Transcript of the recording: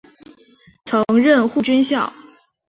曾任护军校。